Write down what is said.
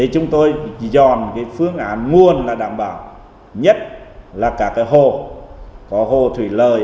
chúng tôi dọn phương án nguồn là đảm bảo nhất là các hồ có hồ thủy lợi